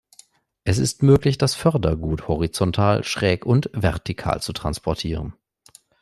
Es ist möglich, das Fördergut horizontal, schräg und vertikal zu transportieren.